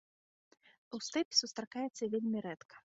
У стэпе сустракаецца вельмі рэдка.